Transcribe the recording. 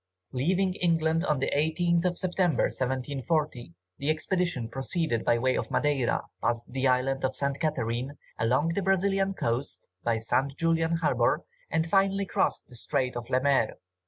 Leaving England on the 18th September, 1740, the expedition proceeded by way of Madeira, past the island of St. Catharine, along the Brazilian coast, by St. Julian Harbour, and finally crossed the Strait of Lemaire.